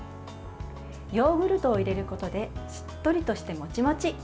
ヨーグルトを入れることでしっとりとしてモチモチ。